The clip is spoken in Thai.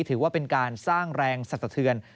ถือว่าเป็นการสร้างแรงสันสะเทือน